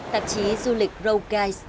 tạp chí du lịch rome